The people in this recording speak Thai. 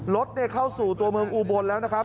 รถเข้าสู่ตัวเมืองอุบลแล้วนะครับ